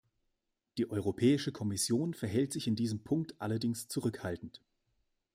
Die Europäische Kommission verhält sich in diesem Punkt allerdings zurückhaltend.